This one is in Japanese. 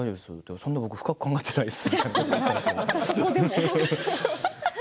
そんな深く考えていないですって。